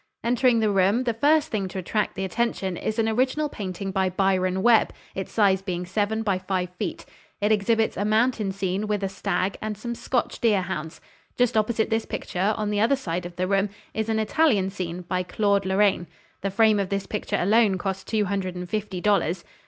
Entering the room, the first thing to attract the attention is an original painting by Byron Webb, its size being seven by five feet. It exhibits a mountain scene with a stag and some Scotch deerhounds. Just opposite this picture, on the other side of the room, is an Italian scene, by Claude Lorraine. The frame of this picture alone cost two hundred and fifty dollars.